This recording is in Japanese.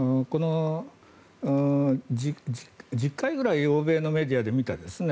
１０回ぐらい欧米のメディアで見たんですね。